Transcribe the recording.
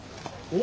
お！